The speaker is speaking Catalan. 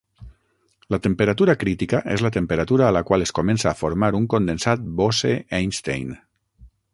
La temperatura crítica és la temperatura a la qual es comença a formar un condensat Bose-Einstein.